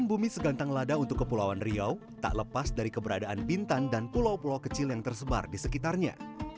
bumi segantang lada untuk kepulauan riau tak lepas dari keberadaan bintan dan pulau pulau kecil yang tersebar di sekitarnya